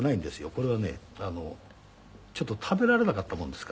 これはねちょっと食べられなかったもんですからね